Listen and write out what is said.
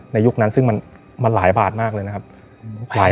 ยุคนั้นซึ่งมันหลายบาทมากเลยนะครับ